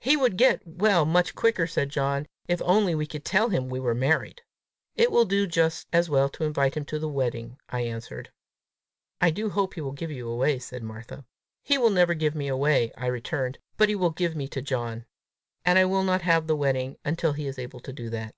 "He would get well much quicker," said John, "if only we could tell him we were married!" "It will do just as well to invite him to the wedding," I answered. "I do hope he will give you away," said Martha. "He will never give me away," I returned; "but he will give me to John. And I will not have the wedding until he is able to do that."